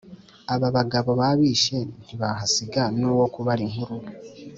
Ababagabo babishe Ntibahasiga n' uwo kubara inkuru